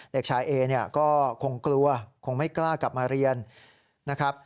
เด็กชายเอเนี่ยก็คงกลัวคงไม่กล้ากลับมาเรียนนะครับ